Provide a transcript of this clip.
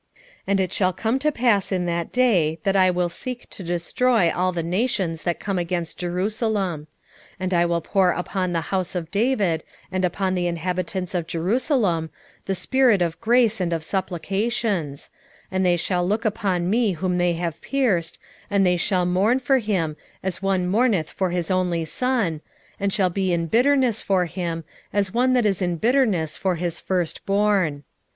12:9 And it shall come to pass in that day, that I will seek to destroy all the nations that come against Jerusalem. 12:10 And I will pour upon the house of David, and upon the inhabitants of Jerusalem, the spirit of grace and of supplications: and they shall look upon me whom they have pierced, and they shall mourn for him, as one mourneth for his only son, and shall be in bitterness for him, as one that is in bitterness for his firstborn.